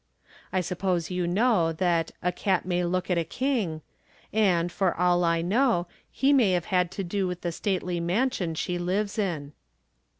I suppose you know that " a cat may look at a king ;" and, for all I loiow, he may have had to do with the stately mansion she lives in.